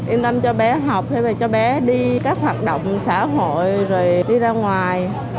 yên tâm cho bé học cho bé đi các hoạt động xã hội rồi đi ra ngoài